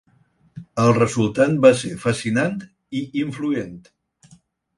El resultat va ser fascinant i influent.